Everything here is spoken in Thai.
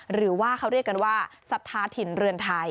หรือว่าเขาเรียกกันว่าศรัทธาถิ่นเรือนไทย